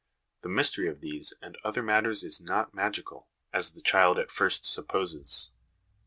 The mystery of these and other matters is not magical, as the child at first supposes.